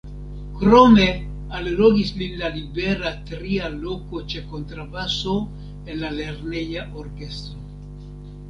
Krome allogis lin la libera tria loko ĉe kontrabaso en la lerneja orkestro.